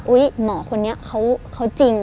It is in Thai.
อุ๊ยหมอคนนี้เขาจริง